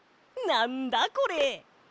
なんだこれ？